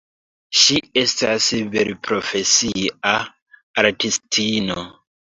Ŝi estas liberprofesia artistino.